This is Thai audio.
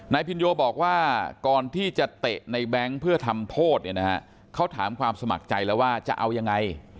พินโยบอกว่าก่อนที่จะเตะในแบงค์เพื่อทำโทษเนี่ยนะฮะเขาถามความสมัครใจแล้วว่าจะเอายังไง